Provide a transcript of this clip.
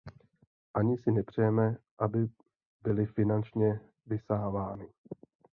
Ani si nepřejeme, aby byly finančně vysávány.